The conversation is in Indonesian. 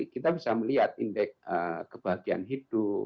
kita bisa melihat indeks kebahagiaan hidup